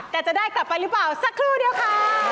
แต่จะได้กลับไปหรือเปล่าสักครู่เดียวค่ะ